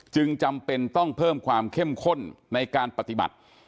จำเป็นต้องเพิ่มความเข้มข้นในการปฏิบัติ